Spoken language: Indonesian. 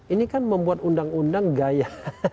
ini kan membuat undang undang gaya